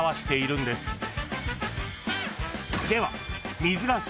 ［では］